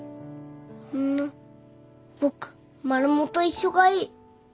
そんな僕マルモと一緒がいい。